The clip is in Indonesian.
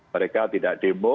mereka tidak demo